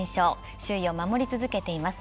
首位を守り続けています。